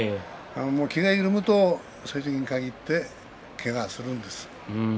気が緩むとそういう時に限ってけがをするんです。